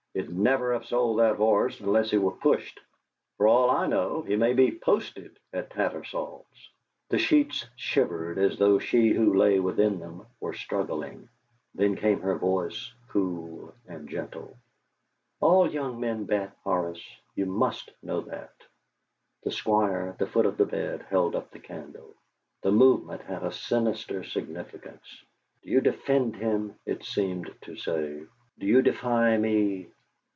He'd never have sold that horse unless he were pushed. For all I know, he may be posted at Tattersalls!" The sheets shivered as though she who lay within them were struggling. Then came her voice, cool and gentle: "All young men bet, Horace; you must know that!" The Squire at the foot of the bed held up the candle; the movement had a sinister significance. "Do you defend him?" it seemed to say. "Do you defy me?"